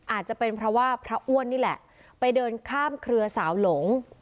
อาจจะเป็นเพราะว่าพระอ้วนนี่แหละไปเดินข้ามเครือสาวหลง